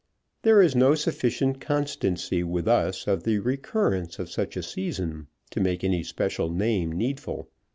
There is no sufficient constancy with us of the recurrence of such a season, to make any special name needful.